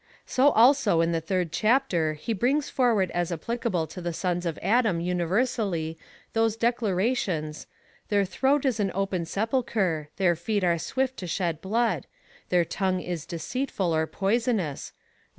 So also in the third chapter he brings forward as applicable to the sons of Adam universallj'" those declara tions — their throat is an open sepulchre : their feet are swift to shed blood : their tongue is deceitful or poisonous, (Rom.